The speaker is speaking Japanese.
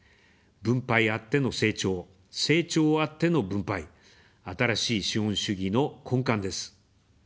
分配あっての成長、成長あっての分配、「新しい資本主義」の根幹です。